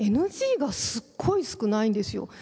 ＮＧがすっごい少ないんですよ。